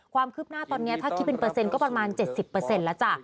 ความคืบหน้าตอนนี้ถ้าคิดเป็นเปอร์เซ็นต์ก็ประมาณ๗๐แล้วจ้ะ